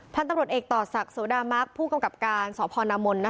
พันธุ์ตำรวจเอกต่อศักดิ์โสดามักผู้กำกับการสพนามน